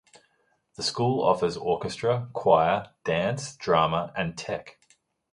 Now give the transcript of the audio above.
The school offers orchestra, choir, dance, drama, and tech.